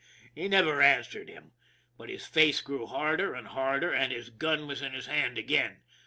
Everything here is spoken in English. He never answered him, but his face grew harder and harder and his gun was in his hand again.